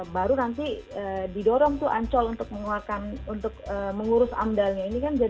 baru nanti didorong tuh ancol untuk mengurus amdalnya